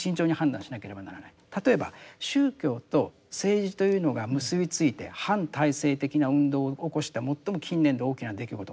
例えば宗教と政治というのが結び付いて反体制的な運動を起こした最も近年で大きな出来事